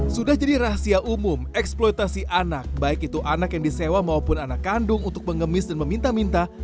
sudah jadi rahasia umum eksploitasi anak baik itu anak yang disewa maupun anak kandung untuk mengemis dan meminta minta